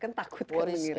kan takut kan sendiri